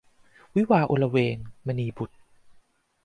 วิวาห์อลเวง - มณีบุษย์